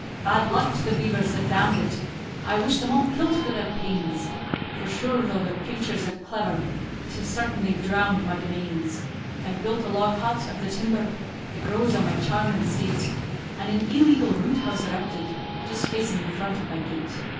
Bad luck to the beavers that dammed it! I wish them all kilt for their pains; For shure though the craters are clever, Tis sartin they've drown'd my domains. I've built a log hut of the timber That grows on my charmin' estate; And an illigant root house erected, Just facing the front of my gate.